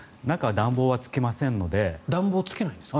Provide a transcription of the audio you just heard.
暖房つけないんですか？